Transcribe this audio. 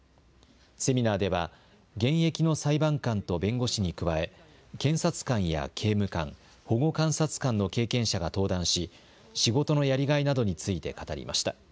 セミナーでは現役の裁判官と弁護士に加え検察官や刑務官保護観察官の経験者が登壇し仕事のやりがいなどについて語りました。